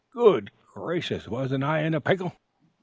"Good gracious! wasn't I in a pickle!